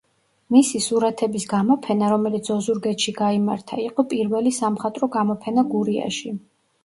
მისი სურათების გამოფენა, რომელიც ოზურგეთში გაიმართა იყო პირველი სამხატვრო გამოფენა გურიაში.